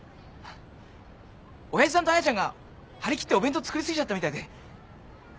親父さんと彩ちゃんが張り切ってお弁当作り過ぎちゃったみたいで。